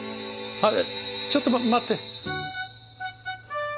えっちょっと待って。